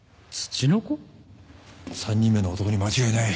３人目の男に間違いない。